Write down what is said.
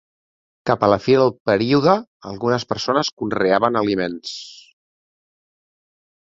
Cap a la fi del període, algunes persones conreaven alimentes.